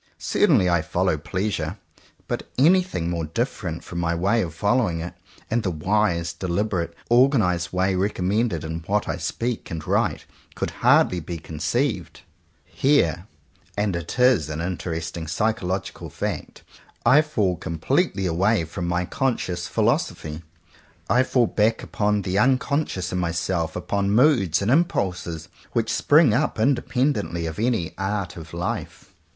Certainly I follow Pleasure; but anything more different from my way of following it, and the wise, deliberately or ganized way recommended in what I speak and write, could hardly be conceived. Here — and it is an interesting psycholog ical fact — I fall completely away from my conscious philosophy. I fall back upon the unconscious in myself, upon moods and im pulses which spring up independently of any art of life.